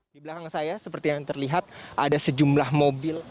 di belakang saya seperti yang terlihat ada sejumlah mobil